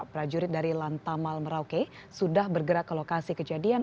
prajurit dari lantamal merauke sudah bergerak ke lokasi kejadian